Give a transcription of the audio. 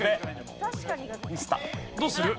どうする？